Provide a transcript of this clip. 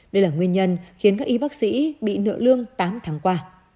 đây là nguyên nhân khiến các y bác sĩ bị nợ lương tám tháng qua